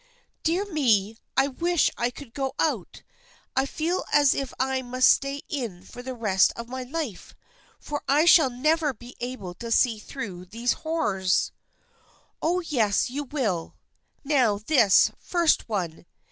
" Dear me, I wish I could go out ! I feel as if I must stay in for the rest of my life, for I shall never be able to see through these horrors." " Oh, yes, you will. Now this first one.